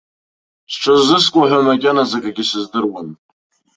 Сҽыззыскуа ҳәа макьаназ акагьы сыздыруам.